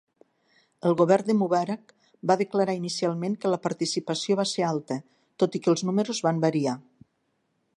El govern de Mubarak va declarar inicialment que la participació va ser alta, tot i que els números van variar.